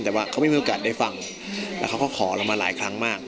แต่ว่าเขาไม่มีโอกาสได้ฟังแล้วเขาก็ขอเรามาหลายครั้งมาก